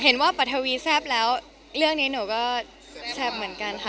ว่าปัทวีแซ่บแล้วเรื่องนี้หนูก็แซ่บเหมือนกันค่ะ